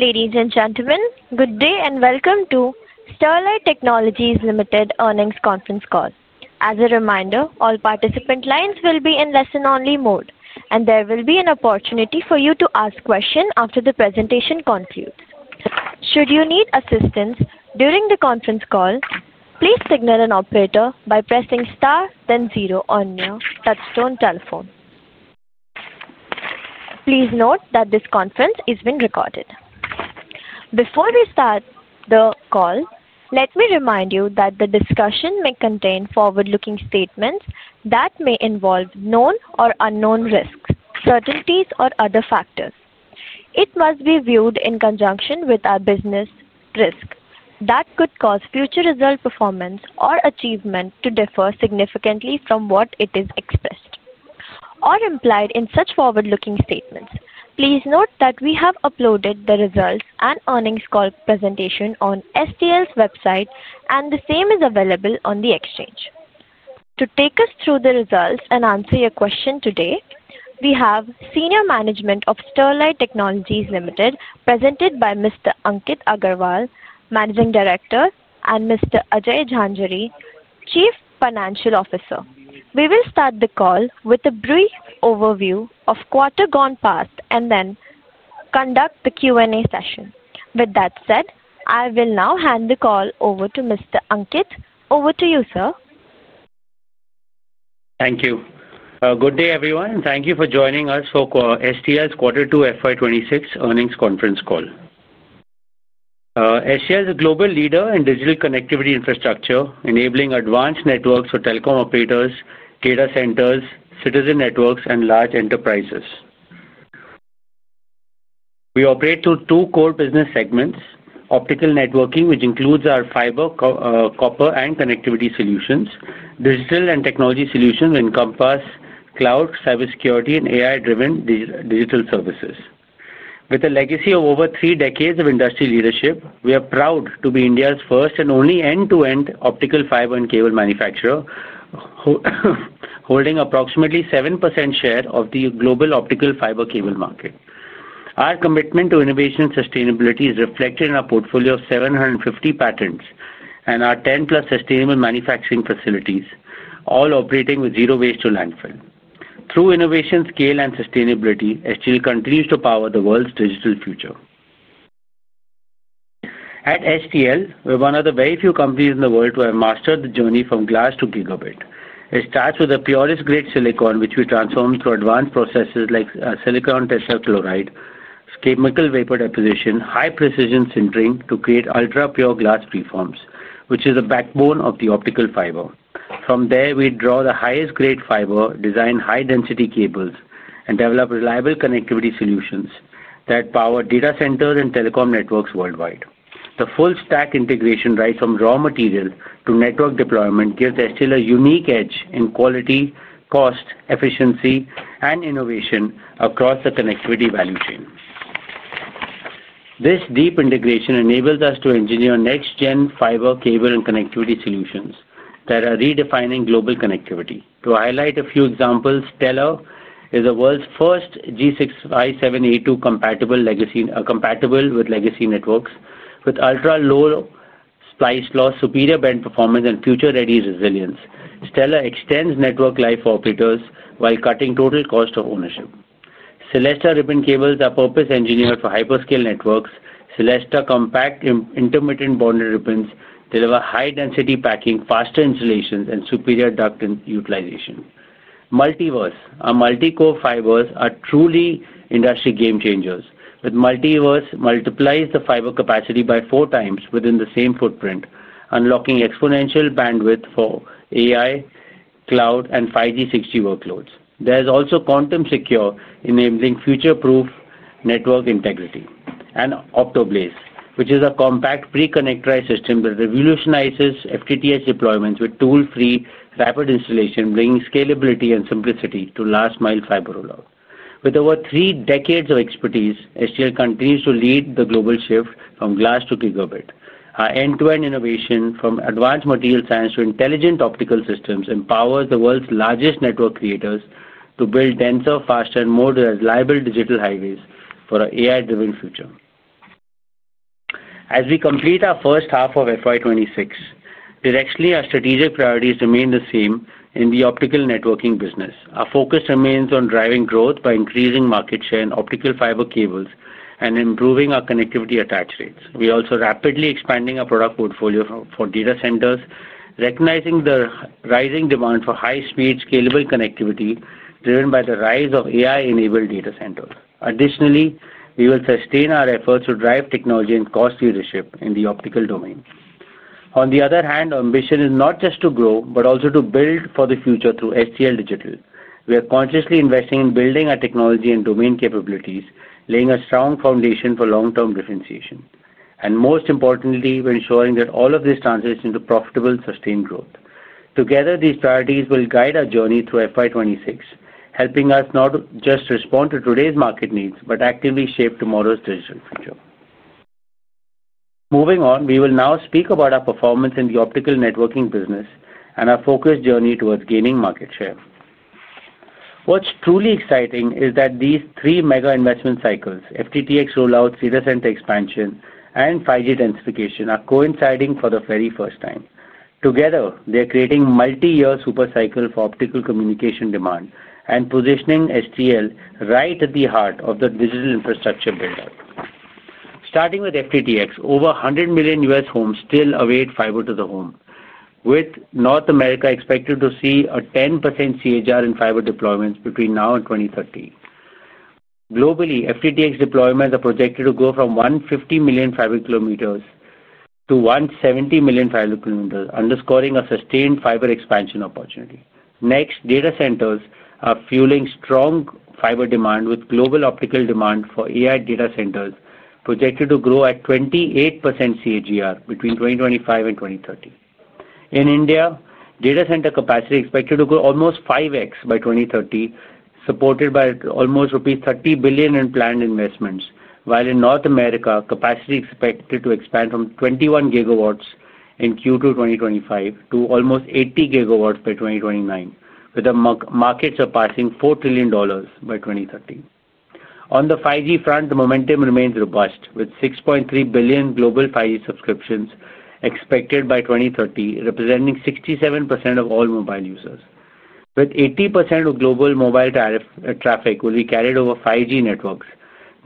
Ladies and gentlemen, good day and welcome to Sterlite Technologies Limited earnings conference call. As a reminder, all participant lines will be in listen-only mode, and there will be an opportunity for you to ask questions after the presentation concludes. Should you need assistance during the conference call, please signal an operator by pressing *, then 0 on your touch-tone telephone. Please note that this conference is being recorded. Before we start the call, let me remind you that the discussion may contain forward-looking statements that may involve known or unknown risks, uncertainties, or other factors. It must be viewed in conjunction with our business risk that could cause future result performance or achievement to differ significantly from what is expressed or implied in such forward-looking statements. Please note that we have uploaded the results and earnings call presentation on STL's website, and the same is available on the exchange. To take us through the results and answer your question today, we have Senior Management of Sterlite Technologies Limited, presented by Mr. Ankit Agarwal, Managing Director, and Mr. Ajay Jhanjhari, Chief Financial Officer. We will start the call with a brief overview of quarter gone past and then conduct the Q&A session. With that said, I will now hand the call over to Mr. Ankit. Over to you, sir. Thank you. Good day, everyone. Thank you for joining us for STL's quarter two FY2026 earnings conference call. STL is a global leader in digital connectivity infrastructure, enabling advanced networks for telecom operators, data centers, citizen networks, and large enterprises. We operate through two core business segments: optical networking, which includes our fiber, copper, and connectivity solutions; digital and technology solutions encompass cloud service security and AI-driven digital services. With a legacy of over three decades of industry leadership, we are proud to be India's first and only end-to-end optical fiber and cable manufacturer, holding approximately 7% share of the global optical fiber cable market. Our commitment to innovation and sustainability is reflected in our portfolio of 750 patents and our 10-plus sustainable manufacturing facilities, all operating with zero waste to landfill. Through innovation, scale, and sustainability, STL continues to power the world's digital future. At STL, we're one of the very few companies in the world who have mastered the journey from glass to gigabit. It starts with the purest-grade silicon, which we transform through advanced processes like silicon tetrachloride, chemical vapor deposition, and high-precision sintering to create ultra-pure glass preforms, which is the backbone of the optical fiber. From there, we draw the highest-grade fiber, design high-density cables, and develop reliable connectivity solutions that power data centers and telecom networks worldwide. The full-stack integration, right from raw material to network deployment, gives STL a unique edge in quality, cost, efficiency, and innovation across the connectivity value chain. This deep integration enables us to engineer next-gen fiber cable and connectivity solutions that are redefining global connectivity. To highlight a few examples, Stellar is the world's first G.657A2 compatible. With legacy networks. With ultra-low splice loss, superior band performance, and future-ready resilience, Stellar extends network life for operators while cutting total cost of ownership. Celesta ribbon cables are purpose-engineered for hyperscale networks. Celesta compact intermittent bonded ribbons deliver high-density packing, faster installations, and superior ducting utilization. Multiverse, our multi-core fibers, are truly industry game changers. With Multiverse, multiply the fiber capacity by four times within the same footprint, unlocking exponential bandwidth for AI, cloud, and 5G/6G workloads. There is also Quantum Secure, enabling future-proof network integrity. Optoblaze, which is a compact pre-connectorized system, revolutionizes FTTH deployments with tool-free rapid installation, bringing scalability and simplicity to last-mile fiber rollout. With over three decades of expertise, STL continues to lead the global shift from glass to gigabit. Our end-to-end innovation, from advanced material science to intelligent optical systems, empowers the world's largest network creators to build denser, faster, and more reliable digital highways for an AI-driven future. As we complete our first half of FY2026, directionally, our strategic priorities remain the same in the optical networking business. Our focus remains on driving growth by increasing market share in optical fiber cables and improving our connectivity attach rates. We are also rapidly expanding our product portfolio for data centers, recognizing the rising demand for high-speed, scalable connectivity driven by the rise of AI-enabled data centers. Additionally, we will sustain our efforts to drive technology and cost leadership in the optical domain. On the other hand, our ambition is not just to grow, but also to build for the future through STL Digital. We are consciously investing in building our technology and domain capabilities, laying a strong foundation for long-term differentiation. Most importantly, we're ensuring that all of this translates into profitable, sustained growth. Together, these priorities will guide our journey through FY2026, helping us not just respond to today's market needs, but actively shape tomorrow's digital future. Moving on, we will now speak about our performance in the optical networking business and our focused journey towards gaining market share. What's truly exciting is that these three mega investment cycles—FTTX rollout, data center expansion, and 5G densification—are coinciding for the very first time. Together, they're creating a multi-year super cycle for optical communication demand and positioning STL right at the heart of the digital infrastructure buildup. Starting with FTTX, over 100 million U.S. homes still await fiber to the home, with North America expected to see a 10% CAGR in fiber deployments between now and 2030. Globally, FTTX deployments are projected to go from 150 million fiber kilometers to 170 million fiber kilometers, underscoring a sustained fiber expansion opportunity. Next, data centers are fueling strong fiber demand, with global optical demand for AI data centers projected to grow at 28% CAGR between 2025 and 2030. In India, data center capacity is expected to grow almost 5X by 2030, supported by almost rupees 30 billion in planned investments, while in North America, capacity is expected to expand from 21 gigawatts in Q2 2025 to almost 80 gigawatts by 2029, with markets surpassing $4 trillion by 2030. On the 5G front, the momentum remains robust, with 6.3 billion global 5G subscriptions expected by 2030, representing 67% of all mobile users. With 80% of global mobile traffic, it will be carried over 5G networks,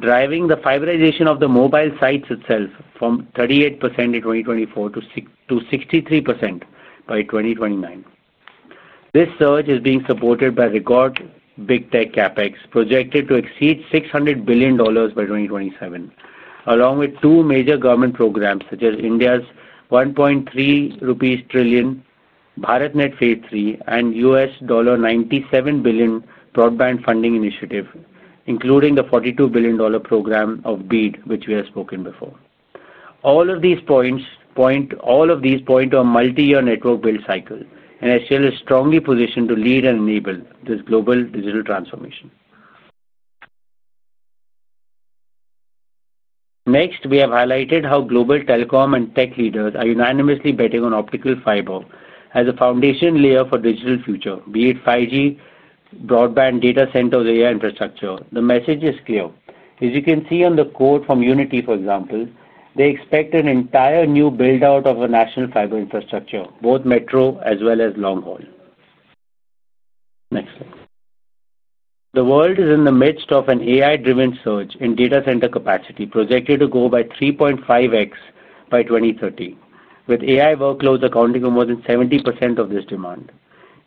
driving the fiberization of the mobile sites itself from 38% in 2024 to 63% by 2029. This surge is being supported by record big tech CapEx projected to exceed $600 billion by 2027, along with two major government programs such as India's INR 1.3 trillion BharatNet phase III and U.S. $97 billion broadband funding initiative, including the $42 billion program of BEAD, which we have spoken before. All of these points point to a multi-year network build cycle, and STL is strongly positioned to lead and enable this global digital transformation. Next, we have highlighted how global telecom and tech leaders are unanimously betting on optical fiber as a foundation layer for the digital future, be it 5G, broadband, data centers, or AI infrastructure. The message is clear. As you can see on the quote from Unity, for example, they expect an entire new buildout of a national fiber infrastructure, both metro as well as long-haul. Next slide. The world is in the midst of an AI-driven surge in data center capacity projected to grow by 3.5X by 2030, with AI workloads accounting for more than 70% of this demand.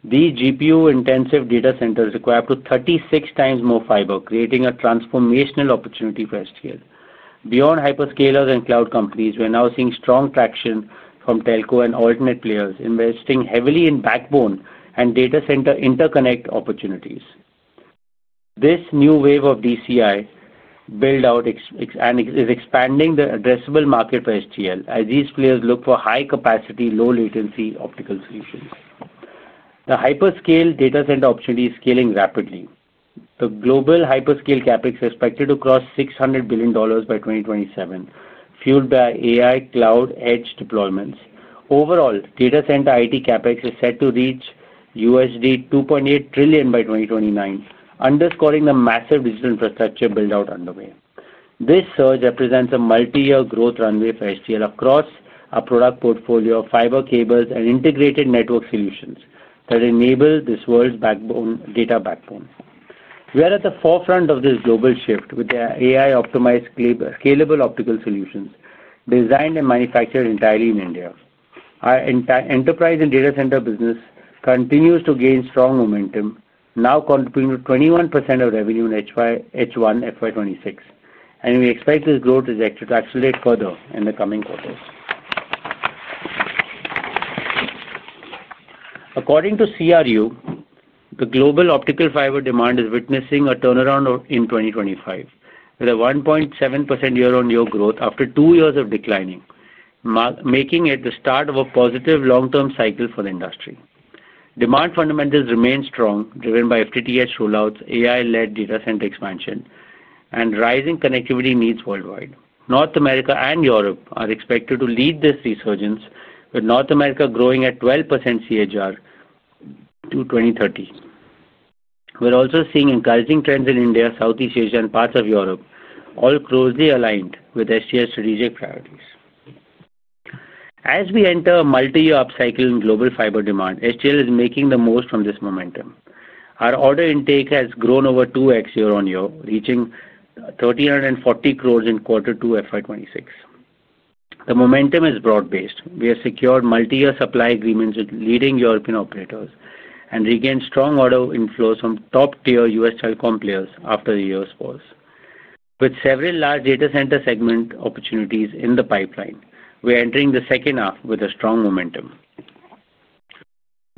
These GPU-intensive data centers require up to 36 times more fiber, creating a transformational opportunity for STL. Beyond hyperscalers and cloud companies, we're now seeing strong traction from telco and alternate players investing heavily in backbone and data center interconnect opportunities. This new wave of DCI buildout. Is expanding the addressable market for STL as these players look for high-capacity, low-latency optical solutions. The hyperscale data center opportunity is scaling rapidly. The global hyperscale CapEx is expected to cross $600 billion by 2027, fueled by AI cloud edge deployments. Overall, data center IT CapEx is set to reach $2.8 trillion by 2029, underscoring the massive digital infrastructure buildout underway. This surge represents a multi-year growth runway for STL across a product portfolio of fiber cables and integrated network solutions that enable this world's data backbone. We are at the forefront of this global shift with our AI-optimized, scalable optical solutions designed and manufactured entirely in India. Our enterprise and data center business continues to gain strong momentum, now contributing to 21% of revenue in H1 FY2026, and we expect this growth trajectory to accelerate further in the coming quarters. According to CRU, the global optical fiber demand is witnessing a turnaround in 2025, with a 1.7% year-on-year growth after two years of declining, making it the start of a positive long-term cycle for the industry. Demand fundamentals remain strong, driven by FTTH rollouts, AI-led data center expansion, and rising connectivity needs worldwide. North America and Europe are expected to lead this resurgence, with North America growing at 12% CAGR to 2030. We are also seeing encouraging trends in India, Southeast Asia, and parts of Europe, all closely aligned with STL's strategic priorities. As we enter a multi-year upcycling global fiber demand, STL is making the most from this momentum. Our order intake has grown over 2X year-on-year, reaching 1,340 crore in quarter two FY2026. The momentum is broad-based. We have secured multi-year supply agreements with leading European operators and regained strong order inflows from top-tier US telecom players after the year's pause. With several large data center segment opportunities in the pipeline, we're entering the second half with strong momentum.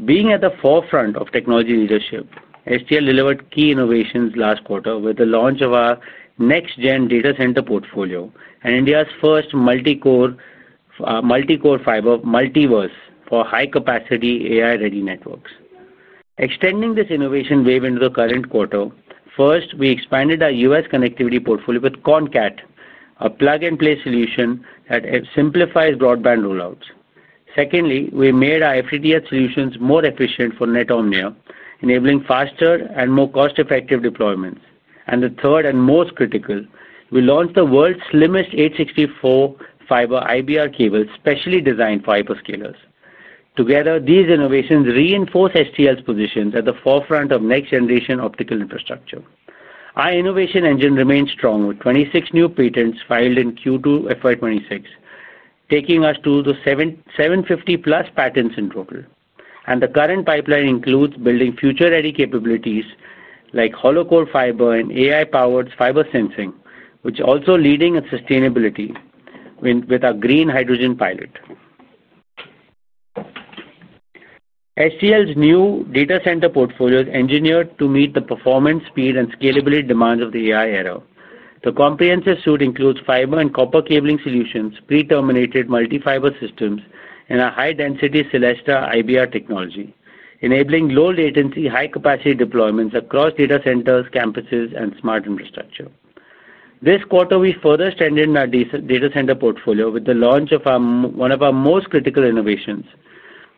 Being at the forefront of technology leadership, STL delivered key innovations last quarter with the launch of our next-gen data center portfolio and India's first multi-core fiber, Multiverse, for high-capacity AI-ready networks. Extending this innovation wave into the current quarter, first, we expanded our US connectivity portfolio with ConCat, a plug-and-play solution that simplifies broadband rollouts. Secondly, we made our FTTH solutions more efficient for Net Omnium, enabling faster and more cost-effective deployments. The third and most critical, we launched the world's slimmest 864 fiber IBR cable, specially designed for hyperscalers. Together, these innovations reinforce STL's position at the forefront of next-generation optical infrastructure. Our innovation engine remains strong with 26 new patents filed in Q2 FY26, taking us to the 750-plus patents in total. The current pipeline includes building future-ready capabilities like hollow-core fiber and AI-powered fiber sensing, which is also leading in sustainability with our green hydrogen pilot. STL's new data center portfolio is engineered to meet the performance, speed, and scalability demands of the AI era. The comprehensive suite includes fiber and copper cabling solutions, pre-terminated multi-fiber systems, and a high-density Celesta IBR technology, enabling low-latency, high-capacity deployments across data centers, campuses, and smart infrastructure. This quarter, we further strengthened our data center portfolio with the launch of one of our most critical innovations,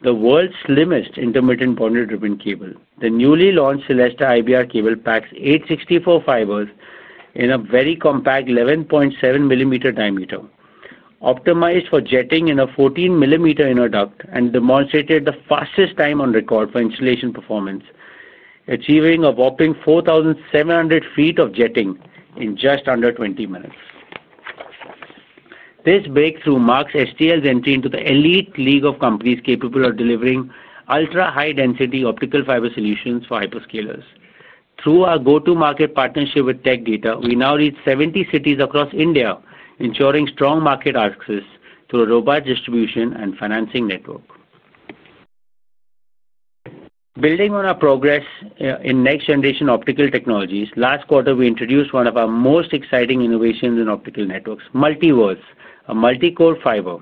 the world's slimmest intermittent bonded ribbon cable. The newly launched Celesta IBR cable packs 864 fibers in a very compact 11.7 diameter, optimized for jetting in a 14 inner duct, and demonstrated the fastest time on record for installation performance, achieving a whopping 4,700 feet of jetting in just under 20 minutes. This breakthrough marks STL's entry into the elite league of companies capable of delivering ultra-high-density optical fiber solutions for hyperscalers. Through our go-to-market partnership with Tech Data, we now reach 70 cities across India, ensuring strong market access through robust distribution and financing network. Building on our progress in next-generation optical technologies, last quarter, we introduced one of our most exciting innovations in optical networks, Multiverse, a multi-core fiber.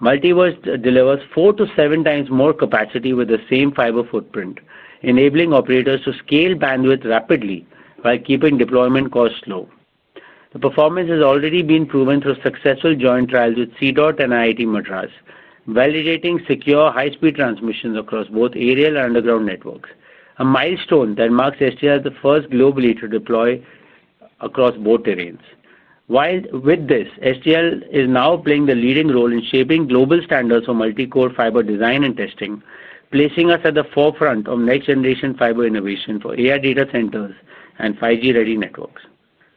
Multiverse delivers four to seven times more capacity with the same fiber footprint, enabling operators to scale bandwidth rapidly while keeping deployment costs low. The performance has already been proven through successful joint trials with CDOT and IIT Madras, validating secure high-speed transmissions across both aerial and underground networks, a milestone that marks STL as the first globally to deploy across both terrains. With this, STL is now playing the leading role in shaping global standards for multi-core fiber design and testing, placing us at the forefront of next-generation fiber innovation for AI data centers and 5G-ready networks.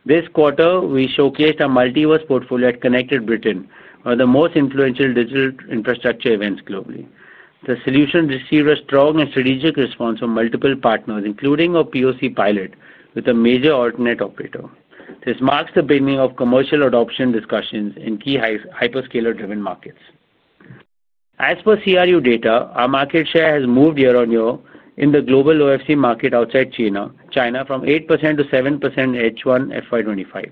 This quarter, we showcased our Multiverse portfolio at Connected Britain, one of the most influential digital infrastructure events globally. The solution received a strong and strategic response from multiple partners, including our POC pilot with a major alternate operator. This marks the beginning of commercial adoption discussions in key hyperscaler-driven markets. As per CRU data, our market share has moved year-on-year in the global OFC market outside China, from 8% to 7% in H1 FY2025.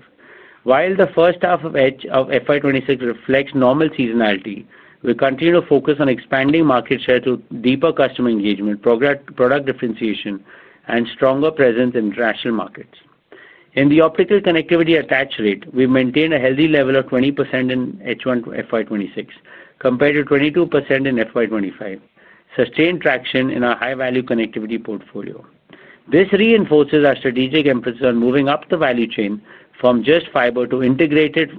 While the first half of FY2026 reflects normal seasonality, we continue to focus on expanding market share through deeper customer engagement, product differentiation, and stronger presence in international markets. In the optical connectivity attach rate, we maintain a healthy level of 20% in H1 FY2026 compared to 22% in FY2025, sustained traction in our high-value connectivity portfolio. This reinforces our strategic emphasis on moving up the value chain from just fiber to integrated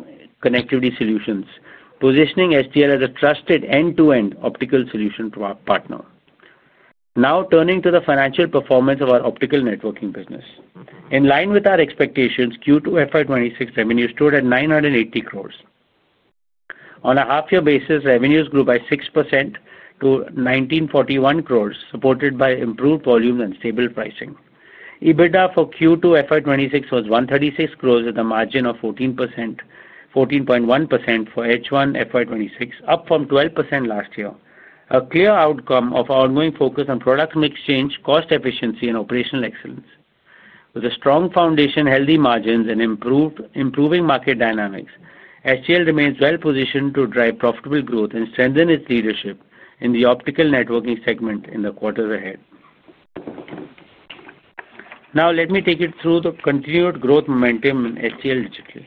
connectivity solutions, positioning STL as a trusted end-to-end optical solution partner. Now turning to the financial performance of our optical networking business. In line with our expectations, Q2 FY2026 revenues stood at 980 crore. On a half-year basis, revenues grew by 6% to 1,941 crore, supported by improved volumes and stable pricing. EBITDA for Q2 FY2026 was 136 crore with a margin of 14.1% for H1 FY2026, up from 12% last year, a clear outcome of our ongoing focus on product exchange, cost efficiency, and operational excellence. With a strong foundation, healthy margins, and improving market dynamics, STL remains well-positioned to drive profitable growth and strengthen its leadership in the optical networking segment in the quarters ahead. Now, let me take you through the continued growth momentum in STL Digital.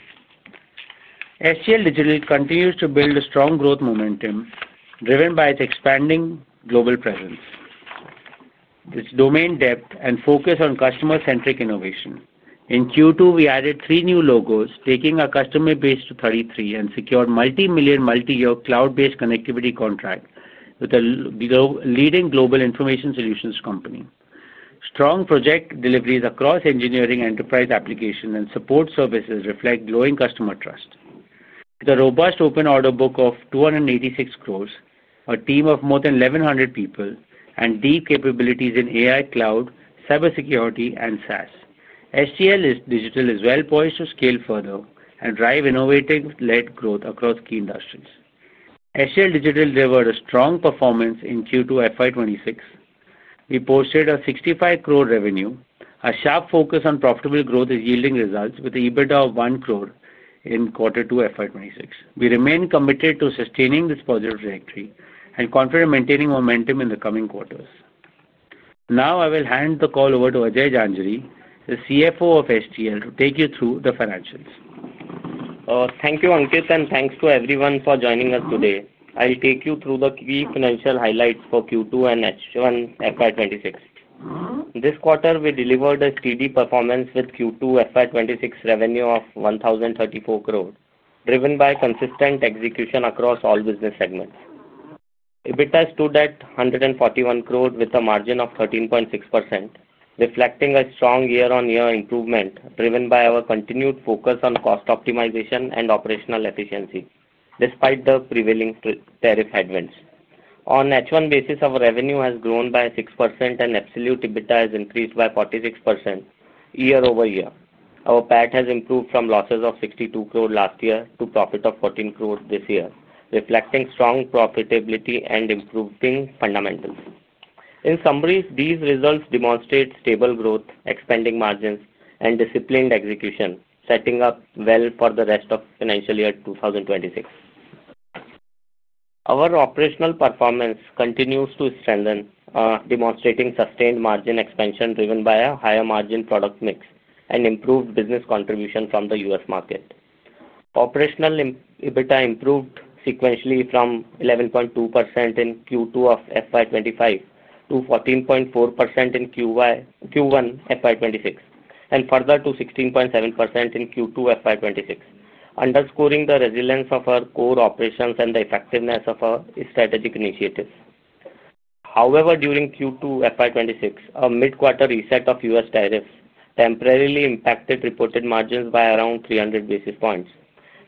STL Digital continues to build a strong growth momentum driven by its expanding global presence, its domain depth, and focus on customer-centric innovation. In Q2, we added three new logos, taking our customer base to 33, and secured multi-million, multi-year cloud-based connectivity contracts with a leading global information solutions company. Strong project deliveries across engineering, enterprise application, and support services reflect growing customer trust. With a robust open order book of 286 crore, a team of more than 1,100 people, and deep capabilities in AI, cloud, cybersecurity, and SaaS, STL Digital is well-poised to scale further and drive innovative-led growth across key industries. STL Digital delivered a strong performance in Q2 FY2026. We posted 65 crore revenue. A sharp focus on profitable growth is yielding results with an EBITDA of 1 crore in quarter two FY2026. We remain committed to sustaining this positive trajectory and confident in maintaining momentum in the coming quarters. Now, I will hand the call over to Ajay Jhanjhari, the CFO of STL, to take you through the financials. Thank you, Ankit, and thanks to everyone for joining us today. I'll take you through the key financial highlights for Q2 and H1 FY2026. This quarter, we delivered a steady performance with Q2 FY2026 revenue of 1,034 crore, driven by consistent execution across all business segments. EBITDA stood at 141 crore with a margin of 13.6%, reflecting a strong year-on-year improvement driven by our continued focus on cost optimization and operational efficiency despite the prevailing tariff advance. On an H1 basis, our revenue has grown by 6%, and absolute EBITDA has increased by 46% year-over-year. Our PAT has improved from losses of 62 crore last year to a profit of 14 crore this year, reflecting strong profitability and improving fundamentals. In summary, these results demonstrate stable growth, expanding margins, and disciplined execution, setting up well for the rest of the financial year 2026. Our operational performance continues to strengthen, demonstrating sustained margin expansion driven by a higher margin product mix and improved business contribution from the US market. Operational EBITDA improved sequentially from 11.2% in Q2 of FY2025 to 14.4% in Q1 FY2026 and further to 16.7% in Q2 FY2026, underscoring the resilience of our core operations and the effectiveness of our strategic initiatives. However, during Q2 FY2026, a mid-quarter reset of US tariffs temporarily impacted reported margins by around 300 basis points,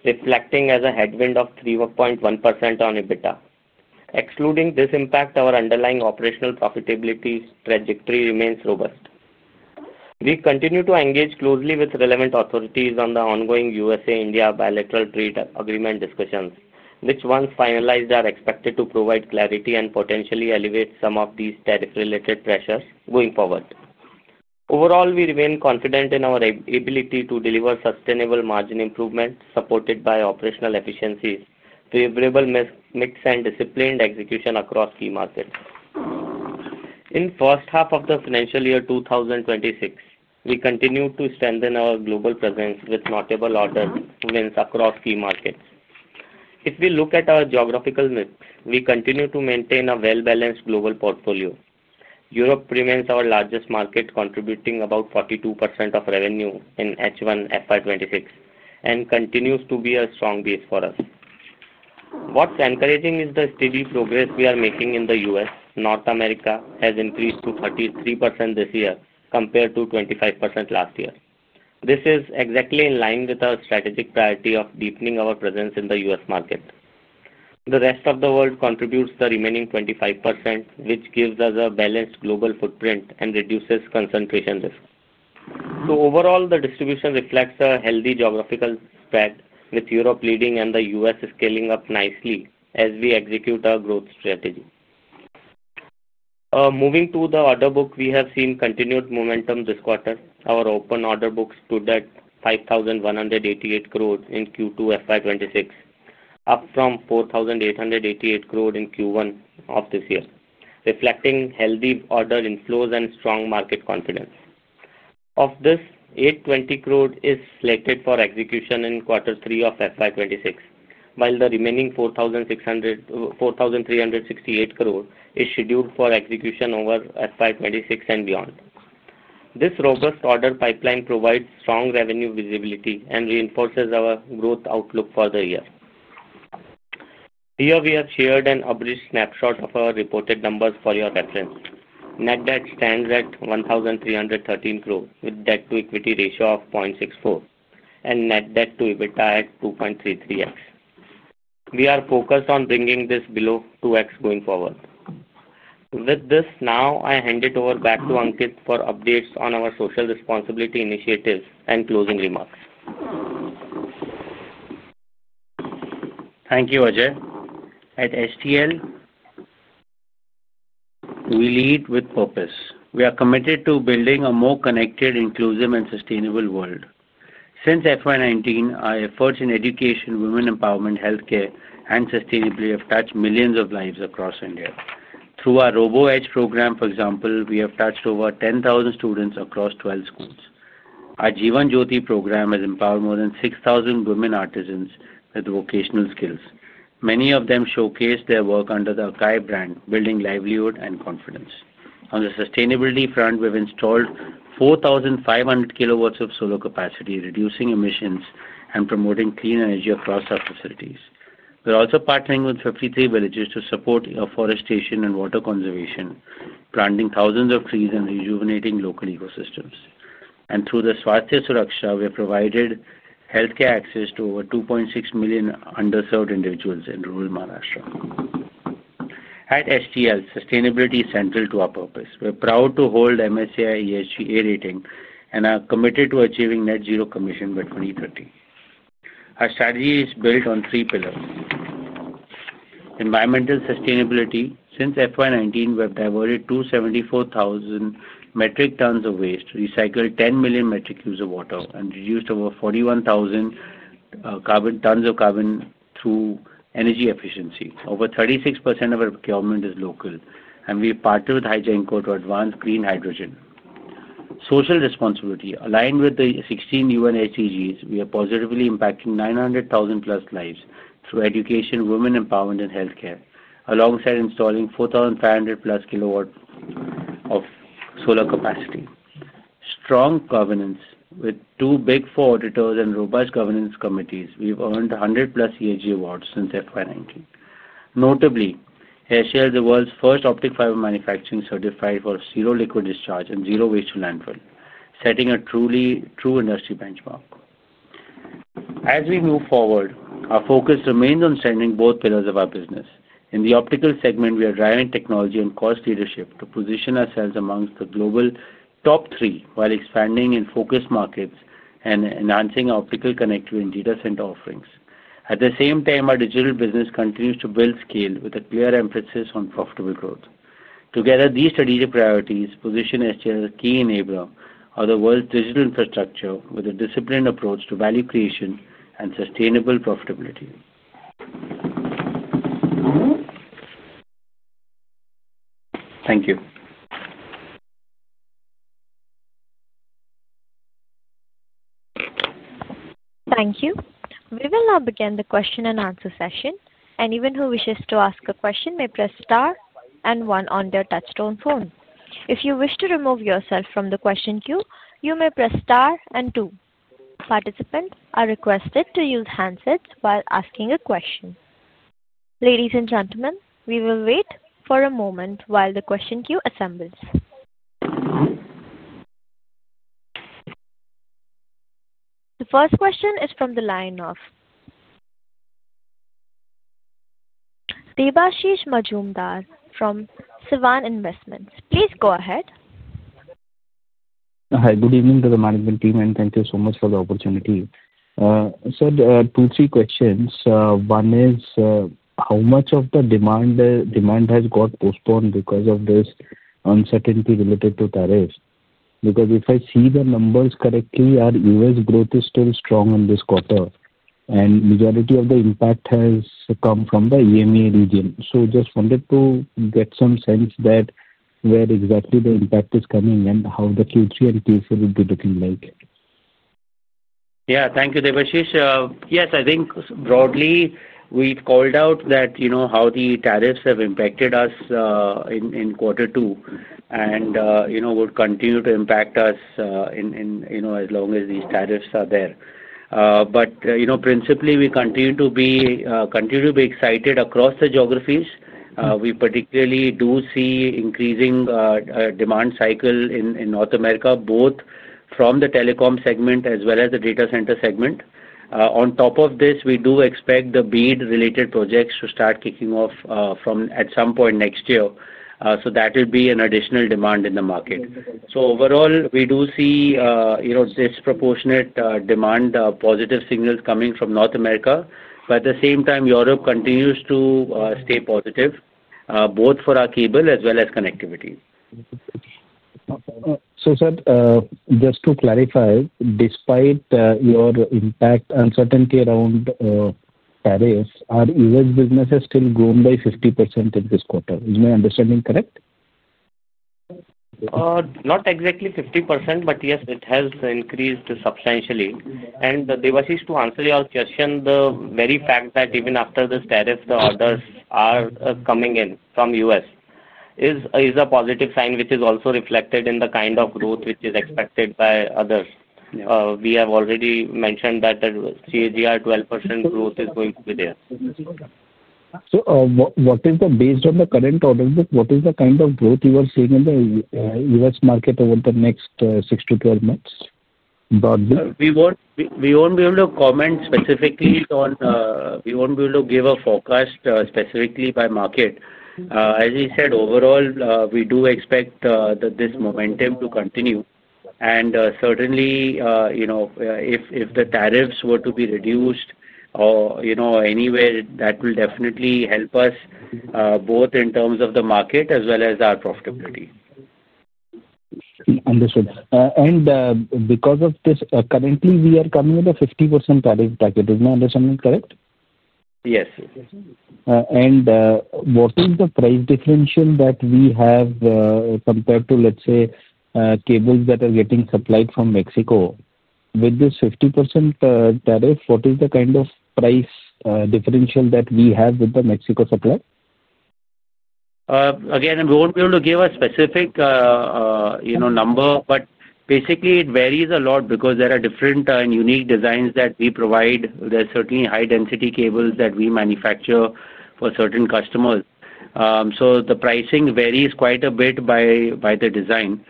reflecting a headwind of 3.1% on EBITDA. Excluding this impact, our underlying operational profitability trajectory remains robust. We continue to engage closely with relevant authorities on the ongoing US-India bilateral trade agreement discussions, which, once finalized, are expected to provide clarity and potentially alleviate some of these tariff-related pressures going forward. Overall, we remain confident in our ability to deliver sustainable margin improvement supported by operational efficiencies, favorable mix and disciplined execution across key markets. In the first half of the financial year 2026, we continued to strengthen our global presence with notable order movements across key markets. If we look at our geographical mix, we continue to maintain a well-balanced global portfolio. Europe remains our largest market, contributing about 42% of revenue in H1 FY2026 and continues to be a strong base for us. What's encouraging is the steady progress we are making in the U.S. North America has increased to 33% this year compared to 25% last year. This is exactly in line with our strategic priority of deepening our presence in the U.S. market. The rest of the world contributes the remaining 25%, which gives us a balanced global footprint and reduces concentration risk. Overall, the distribution reflects a healthy geographical spread, with Europe leading and the U.S. scaling up nicely as we execute our growth strategy. Moving to the order book, we have seen continued momentum this quarter. Our open order book stood at 5,188 crore in Q2 FY2026, up from 4,888 crore in Q1 of this year, reflecting healthy order inflows and strong market confidence. Of this, 820 crore is selected for execution in quarter three of FY2026, while the remaining 4,368 crore is scheduled for execution over FY2026 and beyond. This robust order pipeline provides strong revenue visibility and reinforces our growth outlook for the year. Here, we have shared an abridged snapshot of our reported numbers for your reference. Net debt stands at 1,313 crore with a debt-to-equity ratio of 0.64 and net debt-to-EBITDA at 2.33x. We are focused on bringing this below 2x going forward. With this, now I hand it over back to Ankit for updates on our social responsibility initiatives and closing remarks. Thank you, Ajay. At STL. We lead with purpose. We are committed to building a more connected, inclusive, and sustainable world. Since FY 2019, our efforts in education, women empowerment, healthcare, and sustainability have touched millions of lives across India. Through our RoboEdge program, for example, we have touched over 10,000 students across 12 schools. Our Jeevan Jyoti program has empowered more than 6,000 women artisans with vocational skills. Many of them showcased their work under the Ajay brand, building livelihood and confidence. On the sustainability front, we've installed 4,500 kilowatts of solar capacity, reducing emissions and promoting clean energy across our facilities. We are also partnering with 53 villages to support afforestation and water conservation, planting thousands of trees and rejuvenating local ecosystems. Through the Swasthya Suraksha, we have provided healthcare access to over 2.6 million underserved individuals in rural Maharashtra. At STL, sustainability is central to our purpose. We're proud to hold MSCI ESG A rating and are committed to achieving net zero commission by 2030. Our strategy is built on three pillars. Environmental sustainability. Since FY 2019, we have diverted 274,000 metric tons of waste, recycled 10 million metric cubes of water, and reduced over 41,000 tons of carbon through energy efficiency. Over 36% of our procurement is local, and we partner with Ajay and Co. to advance green hydrogen. Social responsibility. Aligned with the 16 UN SDGs, we are positively impacting 900,000-plus lives through education, women empowerment, and healthcare, alongside installing 4,500-plus kilowatts of solar capacity. Strong governance. With two Big Four auditors and robust governance committees, we've earned 100-plus ESG awards since FY 2019. Notably, Ajay is the world's first optical fiber manufacturing certified for zero liquid discharge and zero waste to landfill, setting a truly true industry benchmark. As we move forward, our focus remains on strengthening both pillars of our business. In the optical segment, we are driving technology and cost leadership to position ourselves amongst the global top three while expanding in focus markets and enhancing our optical connectivity and data center offerings. At the same time, our digital business continues to build scale with a clear emphasis on profitable growth. Together, these strategic priorities position Sterlite Technologies as a key enabler of the world's digital infrastructure with a disciplined approach to value creation and sustainable profitability. Thank you. Thank you. We will now begin the question and answer session. Anyone who wishes to ask a question may press * and 1 on their touchstone phone. If you wish to remove yourself from the question queue, you may press * and two. Participants are requested to use handsets while asking a question. Ladies and gentlemen, we will wait for a moment while the question queue assembles. The first question is from the line of Debashish Mazumdar from Svan Investments. Please go ahead. Hi, good evening to the management team, and thank you so much for the opportunity. Sir, two or three questions. One is, how much of the demand has got postponed because of this uncertainty related to tariffs? Because if I see the numbers correctly, our US growth is still strong in this quarter, and the majority of the impact has come from the EMEA region. Just wanted to get some sense that where exactly the impact is coming and how the Q3 and Q4 will be looking like. Yeah, thank you, Devashish. Yes, I think broadly, we have called out that how the tariffs have impacted us in quarter two and would continue to impact us. As long as these tariffs are there. Principally, we continue to be excited across the geographies. We particularly do see an increasing demand cycle in North America, both from the telecom segment as well as the data center segment. On top of this, we do expect the BEAD-related projects to start kicking off at some point next year. That will be an additional demand in the market. Overall, we do see disproportionate demand, positive signals coming from North America. At the same time, Europe continues to stay positive, both for our cable as well as connectivity. Sir, just to clarify, despite your impact uncertainty around tariffs, our US business has still grown by 50% in this quarter. Is my understanding correct? Not exactly 50%, but yes, it has increased substantially. Devashish, to answer your question, the very fact that even after this tariff, the orders are coming in from the U.S. is a positive sign, which is also reflected in the kind of growth which is expected by others. We have already mentioned that the CAGR 12% growth is going to be there. Based on the current order book, what is the kind of growth you are seeing in the U.S. market over the next 6-12 months? We will not be able to comment specifically on that. We will not be able to give a forecast specifically by market. As you said, overall, we do expect this momentum to continue. Certainly, if the tariffs were to be reduced or anywhere, that will definitely help us, both in terms of the market as well as our profitability. Understood and because of this, currently, we are coming with a 50% tariff package. Is my understanding correct? Yes. What is the price differential that we have compared to, let's say, cables that are getting supplied from Mexico? With this 50% tariff, what is the kind of price differential that we have with the Mexico supplier? Again, we won't be able to give a specific number, but basically, it varies a lot because there are different and unique designs that we provide. There are certainly high-density cables that we manufacture for certain customers, so the pricing varies quite a bit by the design.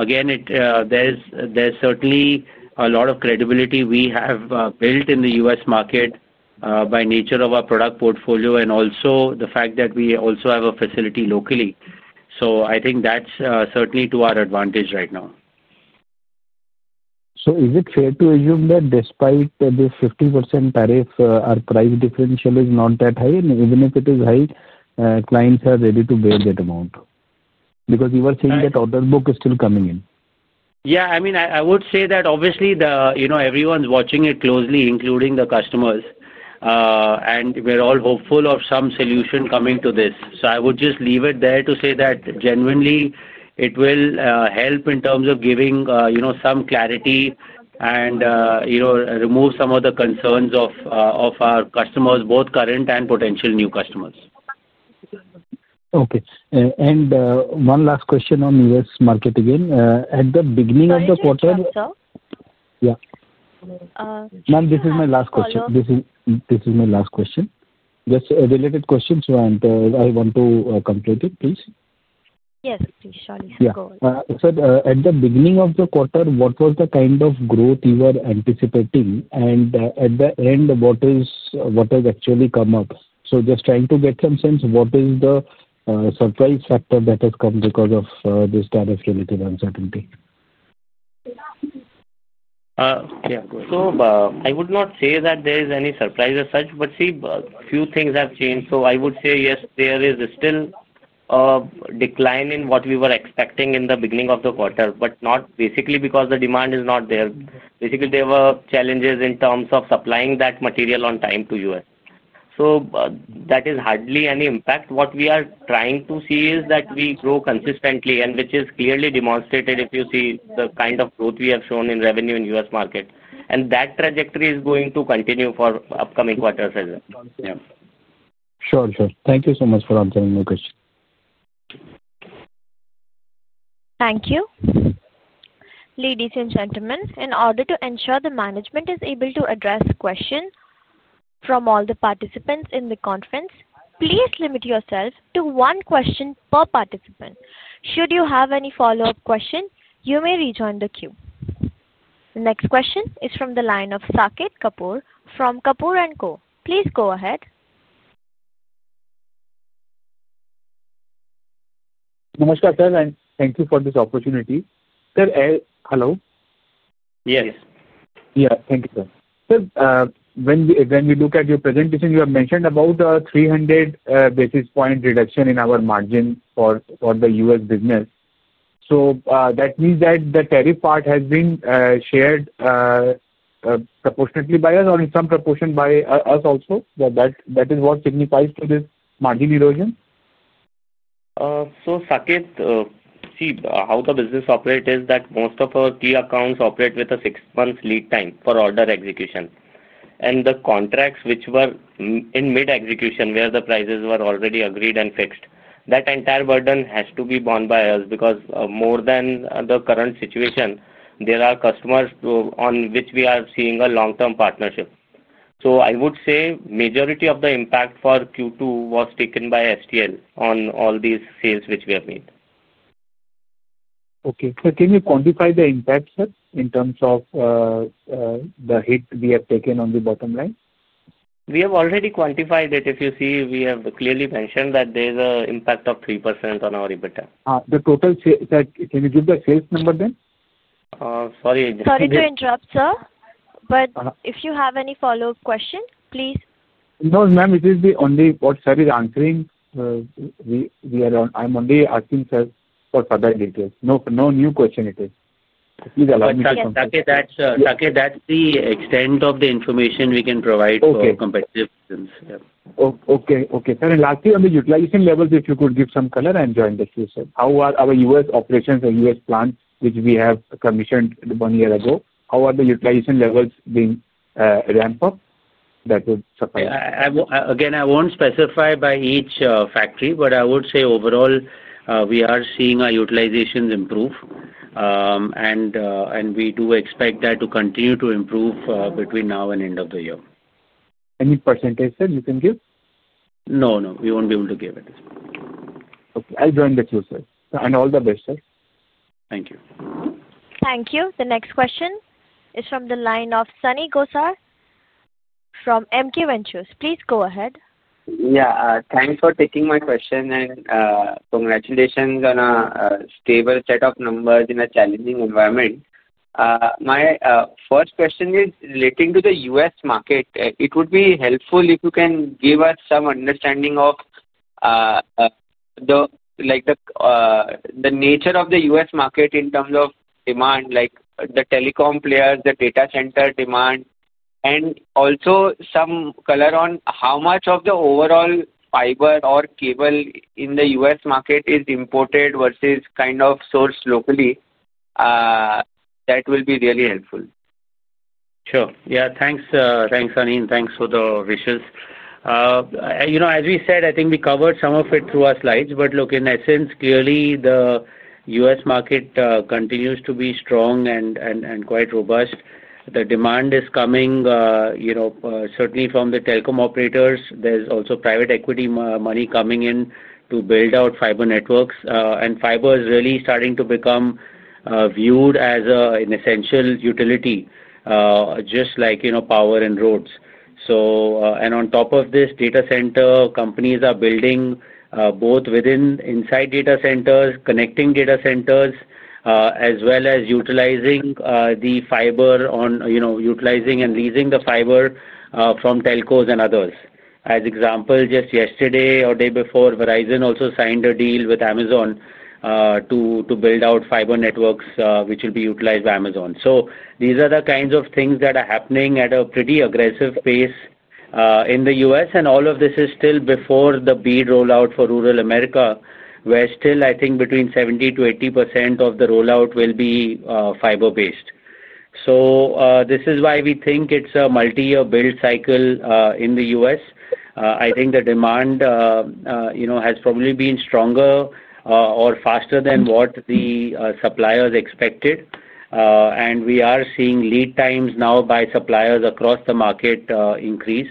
Again, there is certainly a lot of credibility we have built in the U.S. market by nature of our product portfolio and also the fact that we also have a facility locally. I think that's certainly to our advantage right now. Is it fair to assume that despite this 50% tariff, our price differential is not that high? And even if it is high, clients are ready to bear that amount? Because you were saying that order book is still coming in. Yeah, I mean, I would say that obviously everyone's watching it closely, including the customers. We're all hopeful of some solution coming to this. I would just leave it there to say that genuinely, it will help in terms of giving some clarity and remove some of the concerns of our customers, both current and potential new customers. Okay. One last question on U.S. market again. At the beginning of the quarter. Sorry, sir? Yeah. Ma'am, this is my last question. This is my last question. Just a related question, so I want to complete it, please. Yes, please, surely. Yeah. Sir, at the beginning of the quarter, what was the kind of growth you were anticipating? At the end, what has actually come up? Just trying to get some sense, what is the surprise factor that has come because of this tariff-related uncertainty? I would not say that there is any surprise as such, but see, a few things have changed. I would say, yes, there is still a decline in what we were expecting in the beginning of the quarter, but not basically because the demand is not there. Basically, there were challenges in terms of supplying that material on time to the U.S. That is hardly any impact. What we are trying to see is that we grow consistently, which is clearly demonstrated if you see the kind of growth we have shown in revenue in the U.S. market. That trajectory is going to continue for upcoming quarters. Sure, sure. Thank you so much for answering my question. Thank you. Ladies and gentlemen, in order to ensure the management is able to address questions from all the participants in the conference, please limit yourself to one question per participant. Should you have any follow-up questions, you may rejoin the queue. The next question is from the line of Saket Kapoor from Kapoor & Co. Please go ahead. Namaskar, sir, and thank you for this opportunity. Sir, hello? Yes. Yeah, thank you, sir. Sir, when we look at your presentation, you have mentioned about a 300 basis point reduction in our margin for the US business. So that means that the tariff part has been shared proportionately by us or in some proportion by us also? That is what signifies for this margin erosion? Saket, see, how the business operates is that most of our key accounts operate with a six-month lead time for order execution. The contracts which were in mid-execution, where the prices were already agreed and fixed, that entire burden has to be borne by us because more than the current situation, there are customers on which we are seeing a long-term partnership. I would say majority of the impact for Q2 was taken by STL on all these sales which we have made. Okay. Can you quantify the impact, sir, in terms of the hit we have taken on the bottom line? We have already quantified it. If you see, we have clearly mentioned that there is an impact of 3% on our EBITDA. The total sales, can you give the sales number then? Sorry. Sorry to interrupt, sir. But if you have any follow-up questions, please. No, ma'am, it is only what sir is answering. I'm only asking sir for further details. No new question it is. Please allow me to answer. Saket, that's the extent of the information we can provide for competitive reasons. Okay, okay, sir. Lastly, on the utilization levels, if you could give some color and join the queue, sir. How are our U.S. operations and U.S. plants which we have commissioned one year ago? How are the utilization levels being ramped up? That would suffice. Again, I won't specify by each factory, but I would say overall, we are seeing our utilization improve. We do expect that to continue to improve between now and end of the year. Any percentage, sir, you can give? No, no. We won't be able to give at this point. I'll join the queue, sir. All the best, sir. Thank you. Thank you. The next question is from the line of Sunny Gosar from MK Ventures. Please go ahead. Yeah, thanks for taking my question and congratulations on a stable set of numbers in a challenging environment. My first question is relating to the U.S. market. It would be helpful if you can give us some understanding of the nature of the U.S. market in terms of demand, like the telecom players, the data center demand, and also some color on how much of the overall fiber or cable in the U.S. market is imported versus kind of sourced locally. That will be really helpful. Sure. Yeah, thanks. Thanks, Sunny. Thanks for the wishes. As we said, I think we covered some of it through our slides, but look, in essence, clearly the U.S. market continues to be strong and quite robust. The demand is coming, certainly from the telecom operators. There's also private equity money coming in to build out fiber networks. Fiber is really starting to become viewed as an essential utility, just like power and roads. On top of this, data center companies are building both inside data centers, connecting data centers, as well as utilizing and leasing the fiber from telcos and others. As an example, just yesterday or the day before, Verizon also signed a deal with Amazon to build out fiber networks which will be utilized by Amazon. These are the kinds of things that are happening at a pretty aggressive pace in the U.S. All of this is still before the BEAD rollout for rural America, where still, I think, between 70%-80% of the rollout will be fiber-based. This is why we think it is a multi-year build cycle in the U.S. I think the demand has probably been stronger or faster than what the suppliers expected. We are seeing lead times now by suppliers across the market increase.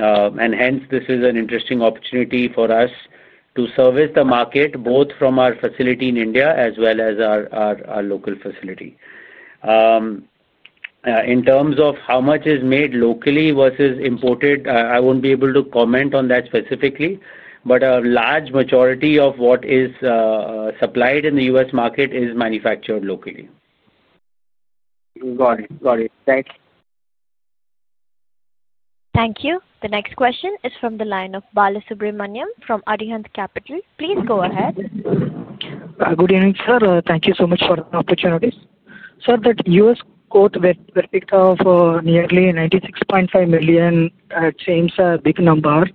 Hence, this is an interesting opportunity for us to service the market, both from our facility in India as well as our local facility. In terms of how much is made locally versus imported, I will not be able to comment on that specifically, but a large majority of what is supplied in the U.S. market is manufactured locally. Got it. Got it. Thanks. Thank you. The next question is from the line of Balasubramanian from Arihant Capital. Please go ahead. Good evening, sir. Thank you so much for the opportunity. Sir, that U.S. quote where we talk of nearly $96.5 million, it seems a big number.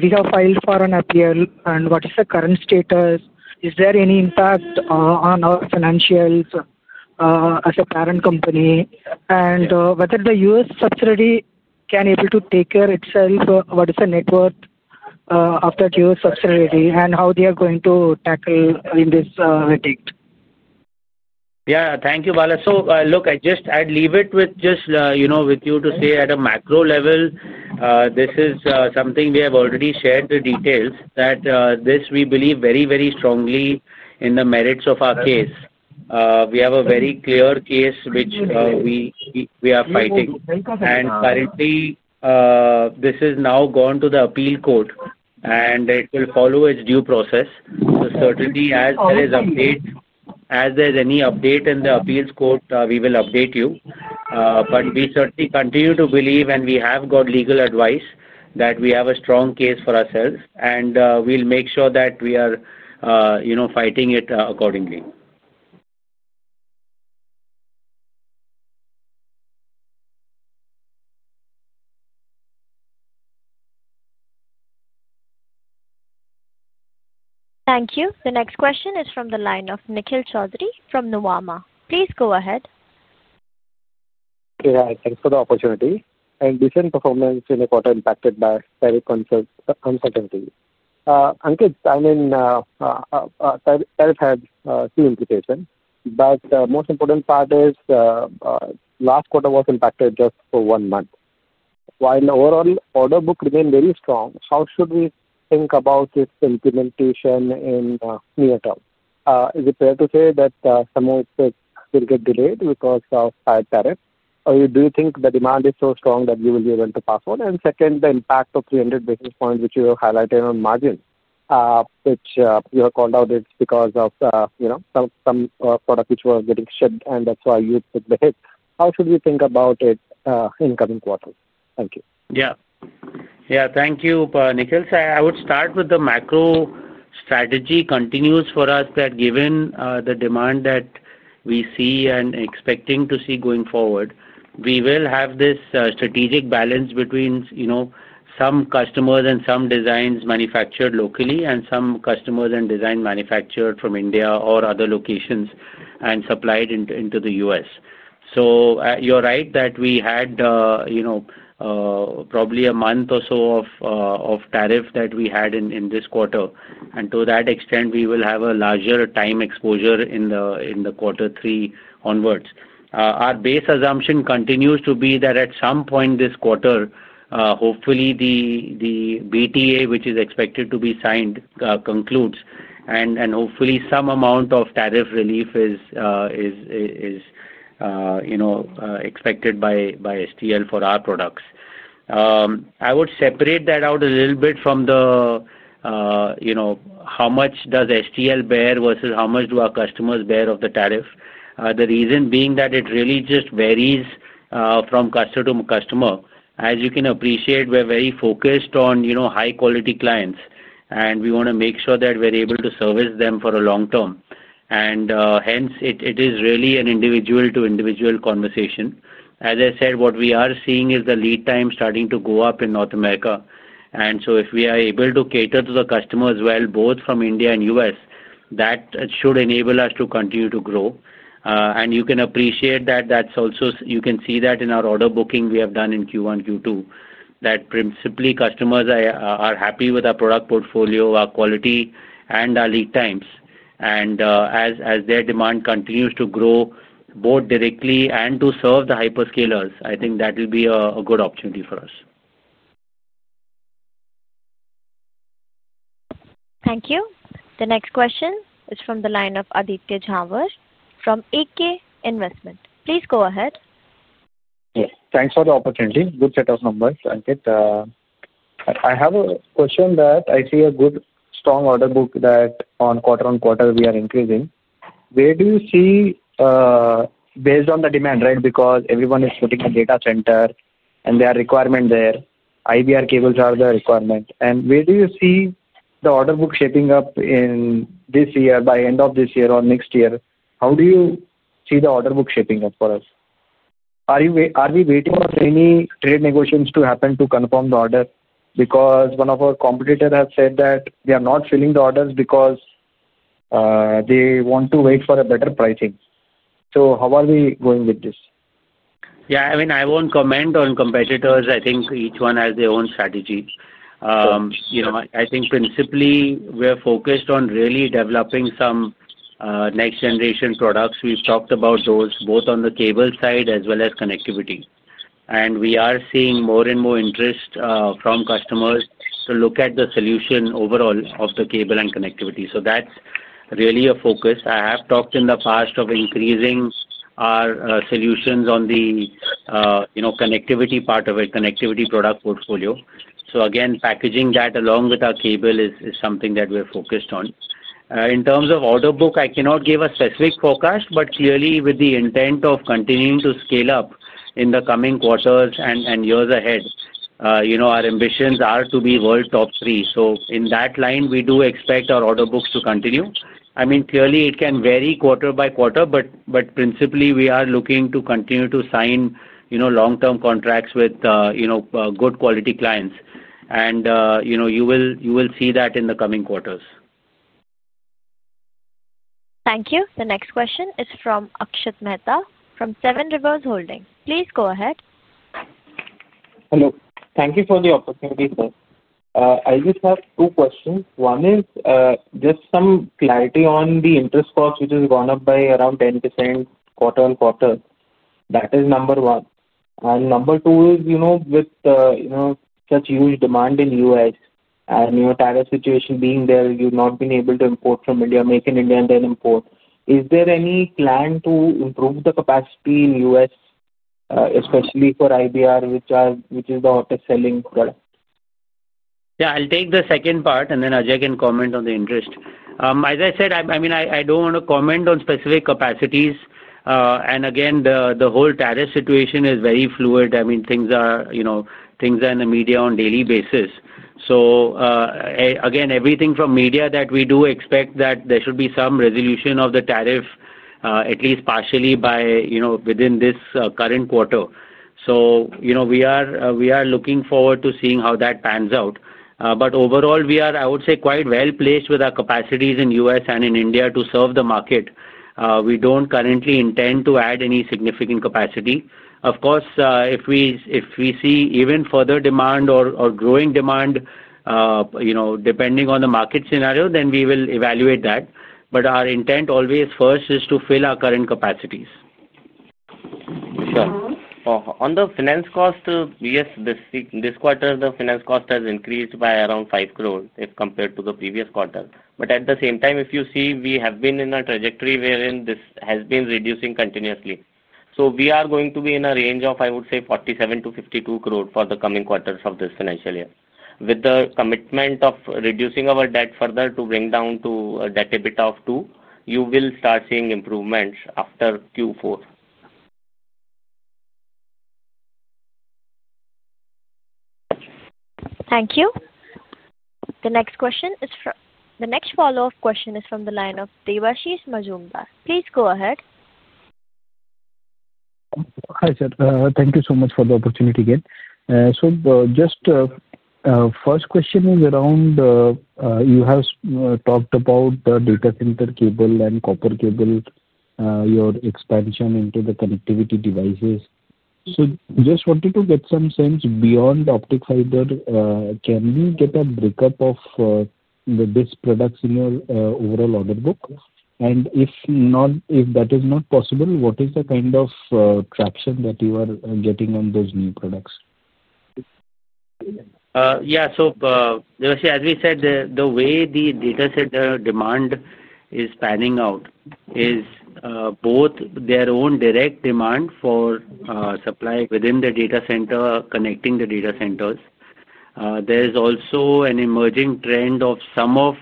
We have filed for an appeal. What is the current status? Is there any impact on our financials as a parent company? Whether the U.S. subsidiary can be able to take care of itself, what is the net worth of that U.S. subsidiary, and how they are going to tackle in this redact? Yeah, thank you, Bala. Look, I just, I'd leave it with just with you to say at a macro level, this is something we have already shared the details that this, we believe very, very strongly in the merits of our case. We have a very clear case which we are fighting. Currently. This is now gone to the appeal court, and it will follow its due process. Certainly, as there is any update in the appeals court, we will update you. We certainly continue to believe, and we have got legal advice that we have a strong case for ourselves, and we'll make sure that we are fighting it accordingly. Thank you. The next question is from the line of Nikhil Chaudhary from Nuvama. Please go ahead. Okay, thanks for the opportunity. Decent performance in the quarter impacted by tariff uncertainty. Ankit, I mean, tariff had two implications, but the most important part is last quarter was impacted just for one month. While the overall order book remained very strong, how should we think about this implementation in near term? Is it fair to say that some of it will get delayed because of high tariff? Or do you think the demand is so strong that you will be able to pass on? The second, the impact of 300 basis points, which you have highlighted on margin, which you have called out because of some product which was getting shipped, and that's why you took the hit. How should we think about it in the coming quarter? Thank you. Yeah, thank you, Nikhil. I would start with the macro strategy continues for us that given the demand that we see and expecting to see going forward, we will have this strategic balance between some customers and some designs manufactured locally and some customers and designs manufactured from India or other locations and supplied into the U.S. You're right that we had. Probably a month or so of tariff that we had in this quarter. To that extent, we will have a larger time exposure in quarter three onwards. Our base assumption continues to be that at some point this quarter, hopefully the BTA, which is expected to be signed, concludes, and hopefully some amount of tariff relief is expected by STL for our products. I would separate that out a little bit from the how much does STL bear versus how much do our customers bear of the tariff. The reason being that it really just varies from customer to customer. As you can appreciate, we're very focused on high-quality clients, and we want to make sure that we're able to service them for a long term. Hence, it is really an individual-to-individual conversation. As I said, what we are seeing is the lead time starting to go up in North America. If we are able to cater to the customers well, both from India and US, that should enable us to continue to grow. You can appreciate that. You can see that in our order booking we have done in Q1, Q2, that principally customers are happy with our product portfolio, our quality, and our lead times. As their demand continues to grow, both directly and to serve the hyperscalers, I think that will be a good opportunity for us. Thank you. The next question is from the line of Aditya Jhawar from AK Investment. Please go ahead. Thanks for the opportunity. Good set of numbers, Ankit. I have a question that I see a good strong order book that on quarter on quarter we are increasing. Where do you see, based on the demand, right, because everyone is putting a data center and there are requirements there, IBR cables are the requirement. Where do you see the order book shaping up in this year, by end of this year or next year? How do you see the order book shaping up for us? Are we waiting for any trade negotiations to happen to confirm the order? Because one of our competitors has said that they are not filling the orders because they want to wait for a better pricing. How are we going with this? Yeah, I mean, I won't comment on competitors. I think each one has their own strategy. I think principally we're focused on really developing some next-generation products. We've talked about those, both on the cable side as well as connectivity. We are seeing more and more interest from customers to look at the solution overall of the cable and connectivity. That is really a focus. I have talked in the past of increasing our solutions on the connectivity part of it, connectivity product portfolio. Again, packaging that along with our cable is something that we are focused on. In terms of order book, I cannot give a specific forecast, but clearly with the intent of continuing to scale up in the coming quarters and years ahead, our ambitions are to be world top three. In that line, we do expect our order books to continue. I mean, clearly it can vary quarter by quarter, but principally we are looking to continue to sign long-term contracts with good quality clients. You will see that in the coming quarters. Thank you. The next question is from Akshat Mehta from Seven Rivers Holding. Please go ahead. Hello. Thank you for the opportunity, sir. I just have two questions. One is just some clarity on the interest cost, which has gone up by around 10% quarter on quarter. That is number one. And number two is with such huge demand in the U.S. and tariff situation being there, you've not been able to import from India, make in India, and then import. Is there any plan to improve the capacity in the U.S., especially for IBR, which is the hottest selling product? Yeah, I'll take the second part, and then Ajay can comment on the interest. As I said, I mean, I don't want to comment on specific capacities. Again, the whole tariff situation is very fluid. I mean, things are in the media on a daily basis. Again, everything from media that we do expect that there should be some resolution of the tariff, at least partially within this current quarter. We are looking forward to seeing how that pans out. Overall, we are, I would say, quite well placed with our capacities in the US and in India to serve the market. We do not currently intend to add any significant capacity. Of course, if we see even further demand or growing demand, depending on the market scenario, then we will evaluate that. Our intent always first is to fill our current capacities. Sure. On the finance cost, yes, this quarter, the finance cost has increased by around 5 crore if compared to the previous quarter. At the same time, if you see, we have been in a trajectory wherein this has been reducing continuously. We are going to be in a range of 47 crore-52 crore for the coming quarters of this financial year. With the commitment of reducing our debt further to bring down to a debt EBITDA of two, you will start seeing improvements after Q4. Thank you. The next question is from the next follow-up question is from the line of Debashish Mazumdar. Please go ahead. Hi, sir. Thank you so much for the opportunity again. Just, first question is around, you have talked about the data center cable and copper cable, your expansion into the connectivity devices. Just wanted to get some sense beyond optical fiber. Can we get a breakup of these products in your overall order book? If that is not possible, what is the kind of traction that you are getting on those new products? Yeah, as we said, the way the data center demand is panning out is both their own direct demand for supply within the data center, connecting the data centers. There is also an emerging trend of some of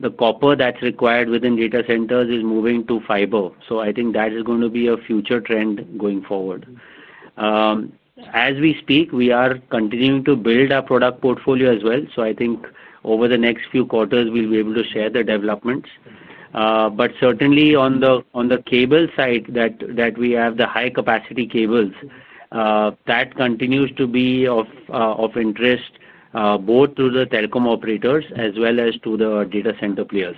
the copper that's required within data centers is moving to fiber. I think that is going to be a future trend going forward. As we speak, we are continuing to build our product portfolio as well. I think over the next few quarters, we'll be able to share the developments. Certainly on the cable side that we have, the high-capacity cables, that continues to be of interest both to the telecom operators as well as to the data center players.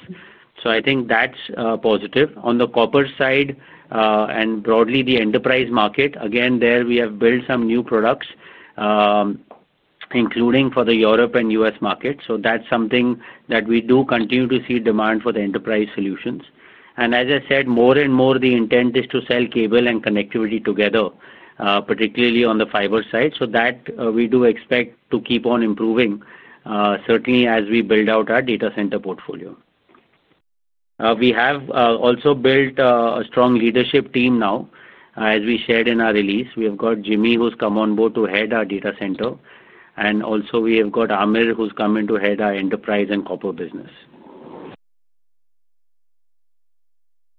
I think that's positive. On the copper side and broadly the enterprise market, again, there we have built some new products. Including for the Europe and U.S. market. That is something that we do continue to see demand for the enterprise solutions. As I said, more and more the intent is to sell cable and connectivity together, particularly on the fiber side. That we do expect to keep on improving, certainly as we build out our data center portfolio. We have also built a strong leadership team now. As we shared in our release, we have got Jimmy, who has come on board to head our data center. Also, we have got Amir, who has come in to head our enterprise and copper business.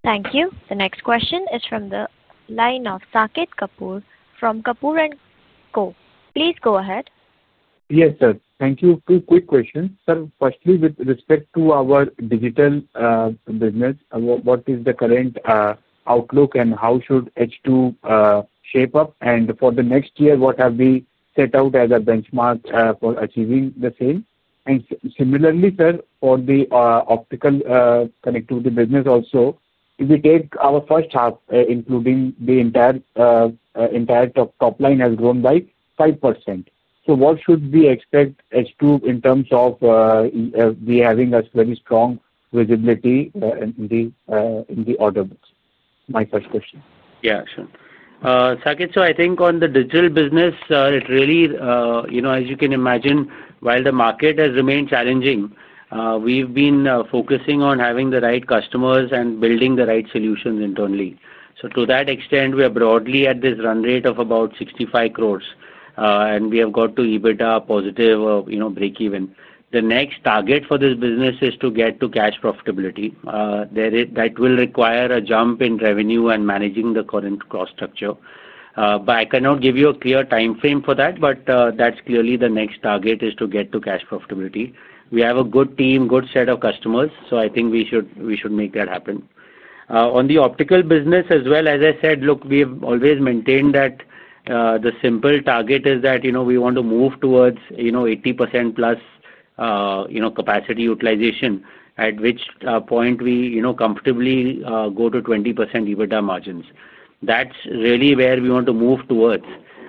Thank you. The next question is from the line of Saket Kapoor from Kapoor & Co. Please go ahead. Yes, sir. Thank you. Two quick questions. Sir, firstly, with respect to our digital business, what is the current outlook and how should H2 shape up? For the next year, what have we set out as a benchmark for achieving the same? Similarly, sir, for the optical connectivity business also, if we take our first half, including the entire top line, it has grown by 5%. What should we expect in H2 in terms of having a very strong visibility in the order books? My first question. Yeah, sure. Saket, I think on the digital business, it really, as you can imagine, while the market has remained challenging, we've been focusing on having the right customers and building the right solutions internally. To that extent, we are broadly at this run rate of about 65 crore. We have got to EBITDA positive breakeven. The next target for this business is to get to cash profitability. That will require a jump in revenue and managing the current cost structure. I cannot give you a clear timeframe for that, but that's clearly the next target is to get to cash profitability. We have a good team, good set of customers, so I think we should make that happen. On the optical business as well, as I said, look, we have always maintained that. The simple target is that we want to move towards 80% plus capacity utilization, at which point we comfortably go to 20% EBITDA margins. That's really where we want to move towards.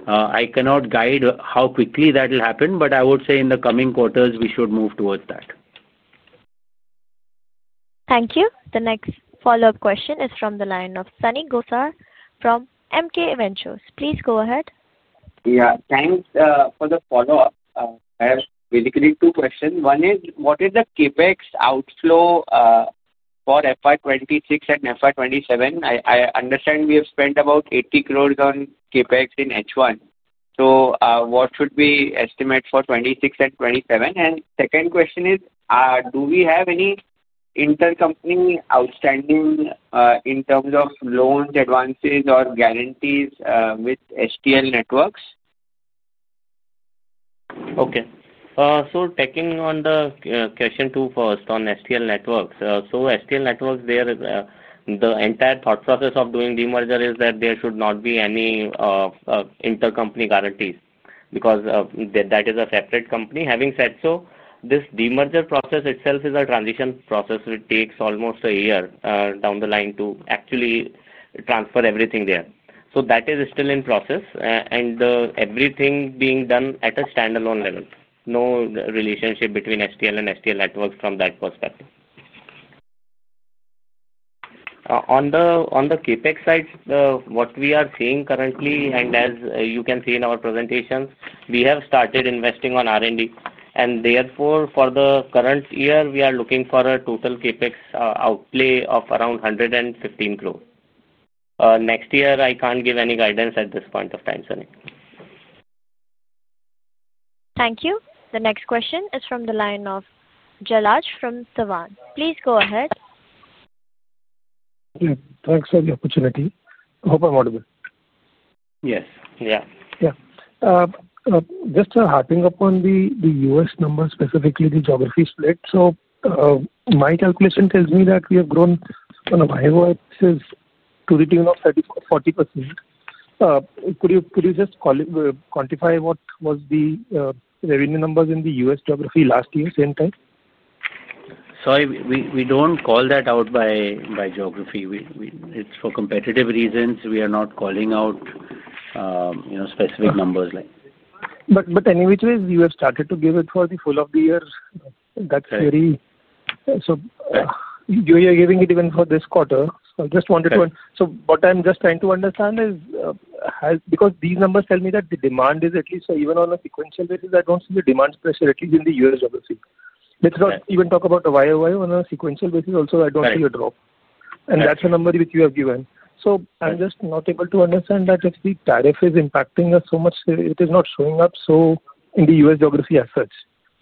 I cannot guide how quickly that will happen, but I would say in the coming quarters, we should move towards that. Thank you. The next follow-up question is from the line of Sunny Gosar from MK Ventures. Please go ahead. Yeah, thanks for the follow-up. I have basically two questions. One is, what is the CapEx outflow for FY2026 and FY2027? I understand we have spent about 80 crore on CapEx in H1. What should be the estimate for 2026 and 2027? Second question is, do we have any intercompany outstanding in terms of loans, advances, or guarantees with STL Networks? Okay. Taking on the question two first on STL Networks. STL Networks, the entire thought process of doing demerger is that there should not be any intercompany guarantees because that is a separate company. Having said so, this demerger process itself is a transition process. It takes almost a year down the line to actually transfer everything there. That is still in process. Everything being done at a standalone level. No relationship between STL and STL Networks from that perspective. On the CapEx side, what we are seeing currently, and as you can see in our presentations, we have started investing on R&D. Therefore, for the current year, we are looking for a total CapEx outlay of around 115 crore. Next year, I cannot give any guidance at this point of time, Sunny. Thank you. The next question is from the line of Jalaj from Thavan. Please go ahead. Thanks for the opportunity. Hope I am audible. Yes. Yeah. Just harping upon the US number, specifically the geography split. My calculation tells me that we have grown on a bi-year basis to the tune of 40%. Could you just quantify what was the revenue numbers in the U.S. geography last year, same time? Sorry, we do not call that out by geography. It is for competitive reasons. We are not calling out specific numbers like that. Anyway, you have started to give it for the full of the year. That is very— you are giving it even for this quarter. I just wanted to. What I'm just trying to understand is, because these numbers tell me that the demand is at least even on a sequential basis, I do not see the demand pressure, at least in the U.S. geography. Let's not even talk about the YoY. On a sequential basis also, I do not see a drop, and that's the number which you have given. I am just not able to understand that if the tariff is impacting us so much, it is not showing up in the U.S. geography as such.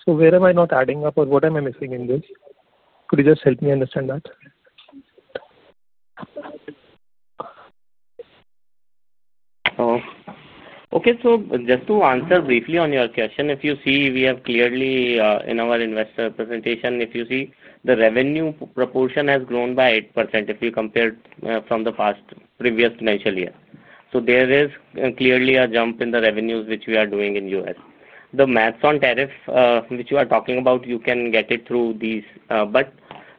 Where am I not adding up or what am I missing in this? Could you just help me understand that? Okay. Just to answer briefly on your question, if you see, we have clearly in our investor presentation, if you see, the revenue proportion has grown by 8% if you compare from the previous financial year. There is clearly a jump in the revenues which we are doing in the U.S. The math on tariff, which you are talking about, you can get it through these.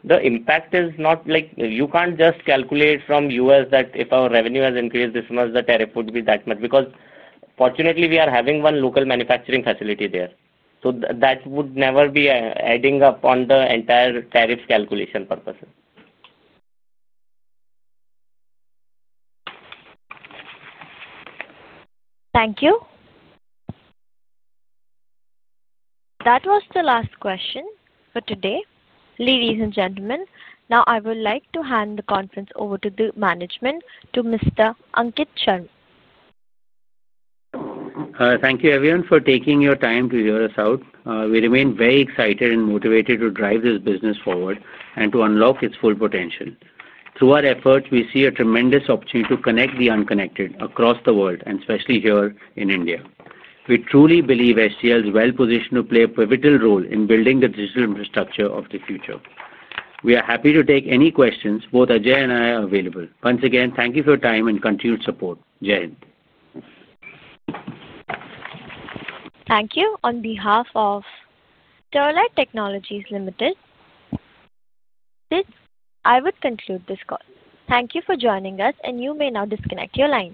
The impact is not like you cannot just calculate from U.S. that if our revenue has increased this much, the tariff would be that much because fortunately, we are having one local manufacturing facility there. That would never be adding up on the entire tariff calculation purpose. Thank you. That was the last question for today. Ladies and gentlemen, now I would like to hand the conference over to the management to Mr. Ankit Agarwal. Thank you, everyone, for taking your time to hear us out. We remain very excited and motivated to drive this business forward and to unlock its full potential. Through our efforts, we see a tremendous opportunity to connect the unconnected across the world, and especially here in India. We truly believe STL is well positioned to play a pivotal role in building the digital infrastructure of the future. We are happy to take any questions. Both Ajay and I are available. Once again, thank you for your time and continued support. Jai Hind. Thank you. On behalf of Sterlite Technologies Limited, I would conclude this call. Thank you for joining us, and you may now disconnect your line.